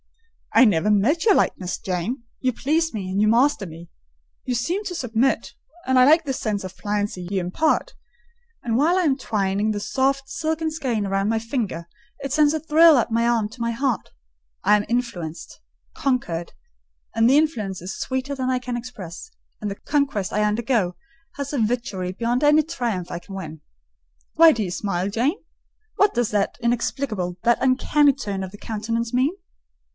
"I never met your likeness. Jane, you please me, and you master me—you seem to submit, and I like the sense of pliancy you impart; and while I am twining the soft, silken skein round my finger, it sends a thrill up my arm to my heart. I am influenced—conquered; and the influence is sweeter than I can express; and the conquest I undergo has a witchery beyond any triumph I can win. Why do you smile, Jane? What does that inexplicable, that uncanny turn of countenance mean?"